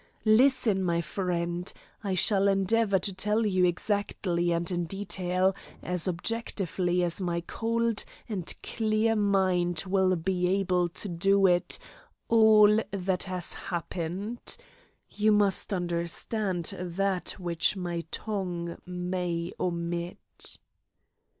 Listen, my friend; I shall endeavour to tell you exactly and in detail, as objectively as my cold and clear mind will be able to do it, all that has happened. You must understand that which my tongue may omit.